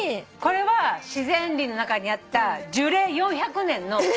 これは自然林の中にあった樹齢４００年の。